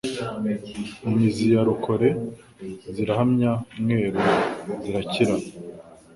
Mu mizi ya Rukore zirahamya Mweru zirakira.